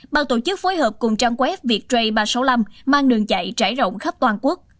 ban tổ chức phối hợp cùng trang web viettray ba trăm sáu mươi năm mang đường chạy trải rộng khắp toàn quốc